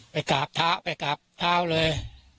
ไม่การทาไปกราบเท้าเลย